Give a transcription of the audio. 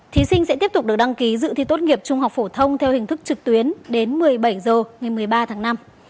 thí sinh sẽ tiếp tục được đăng ký dự thi tốt nghiệp trung học phổ thông theo hình thức trực tuyến đến một mươi bảy h ngày một mươi ba tháng năm